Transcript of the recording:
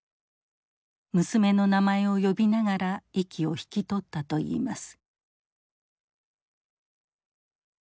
娘の名前を呼びながら息を引き取ったといいます。